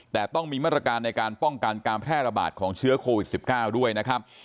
แต่ต้องมีมาตรการในการป้องกันการแพร่ระบาดของเชื้อโควิด๑๙ด้วยนะครับ